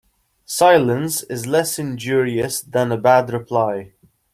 Silence is less injurious than a bad reply.